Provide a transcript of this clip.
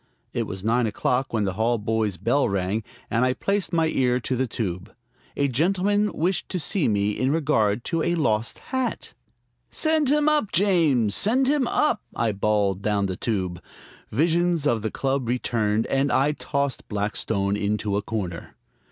It was nine o'clock when the hall boy's bell rang, and I placed my ear to the tube. A gentleman wished to see me in regard to a lost hat. "Send him up, James; send him up!" I bawled down the tube. Visions of the club returned, and I tossed Blackstone into a corner.